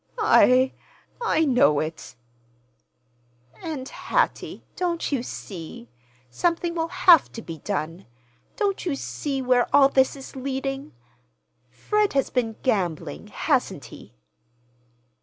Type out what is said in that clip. "I—I know it." "And, Hattie, don't you see? Something will have to be done. Don't you see where all this is leading? Fred has been gambling, hasn't he?"